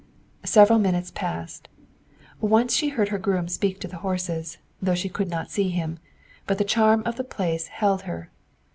Several minutes passed. Once she heard her groom speak to the horses, though she could not see him, but the charm of the place held her.